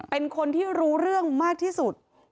เป็นคนที่รู้เรื่องมากที่สุด